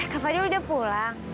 kak fadil udah pulang